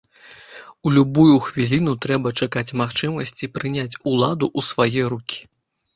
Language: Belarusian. У любую хвіліну трэба чакаць магчымасці прыняць уладу ў свае рукі.